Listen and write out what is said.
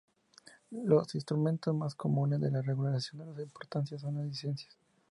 Los instrumentos más comunes de la regulación de las importaciones son las licencias.